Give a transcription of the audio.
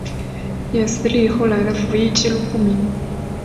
列斯利后来的服役纪录不明。